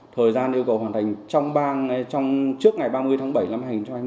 thời gian yêu cầu hoàn thành trong trước ngày ba mươi tháng bảy năm hai nghìn hai mươi